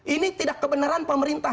ini tidak kebenaran pemerintah